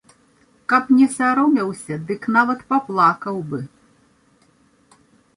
Каб не саромеўся, дык нават паплакаў бы.